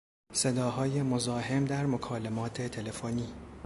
صداهای مزاحم در مکالمات تلفنی